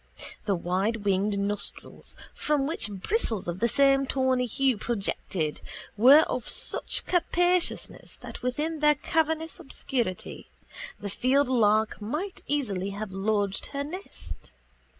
The widewinged nostrils, from which bristles of the same tawny hue projected, were of such capaciousness that within their cavernous obscurity the fieldlark might easily have lodged her nest.